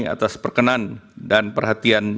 atas perkenan dan perhatian